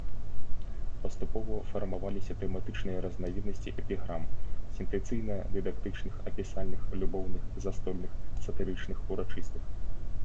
Паступова фармаваліся тэматычныя разнавіднасці эпіграм сентэнцыйна-дыдактычных, апісальных, любоўных, застольных, сатырычных, урачыстых.